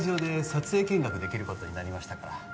撮影見学できることになりましたから